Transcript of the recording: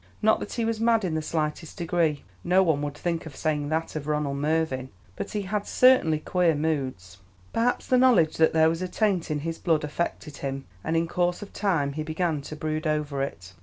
Not that he was mad in the slightest degree no one would think of saying that of Ronald Mervyn but he had certainly queer moods. Perhaps the knowledge that there was a taint in his blood affected him, and in course of time he began to brood over it.